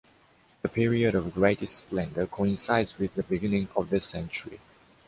The period of greatest splendor coincides with the beginning of this century.